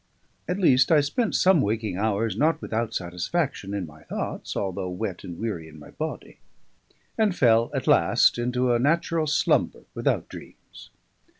At least I spent some waking hours, not without satisfaction in my thoughts, although wet and weary in my body; and fell at last into a natural slumber without dreams.